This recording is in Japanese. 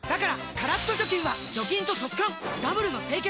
カラッと除菌は除菌と速乾ダブルの清潔！